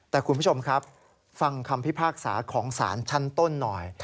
แต่คุณผู้ชมครับฟังคำพิพากษาของสารชั้นต้นหน่อย